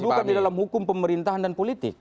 bukan di dalam hukum pemerintahan dan politik